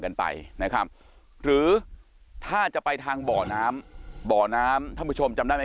กันไปนะครับหรือถ้าจะไปทางบ่อน้ำบ่อน้ำท่านผู้ชมจำได้ไหม